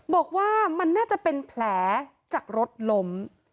บอกว่ามันน่าจะเป็นแผลจากรถล้ม